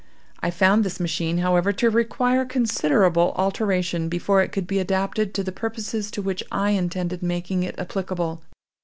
I found this machine, however, to require considerable alteration before it could be adapted to the purposes to which I intended making it applicable.